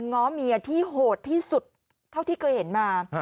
ง้อเมียที่โหดที่สุดเท่าที่เคยเห็นมา